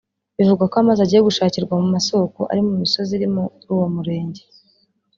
Bivugwa ko amazi agiye gushakirwa mu masoko ari mu misozi iri muri uwo murenge